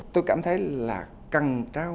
tôi cảm thấy là cần trao